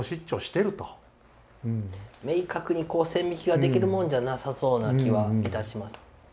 明確にこう線引きができるもんじゃなさそうな気はいたします。